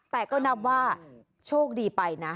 แต่ก็นับว่าโชคดีไปนะ